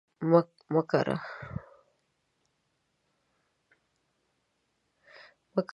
مه کره